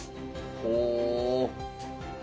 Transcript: ほう。